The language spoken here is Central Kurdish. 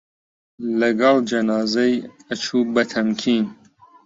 لەگەڵ جەنازەی ئەچوو بە تەمکین